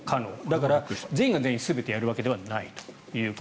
だから、全員が全員全てやるわけではないと。